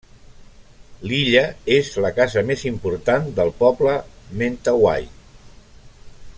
L'illa és la casa més important del poble Mentawai.